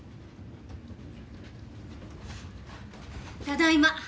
ただいま。